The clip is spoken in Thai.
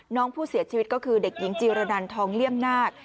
น้องผู้เสียชีวิตก็คือเด็กหญิงจีรนันทองเลี่ยมนาค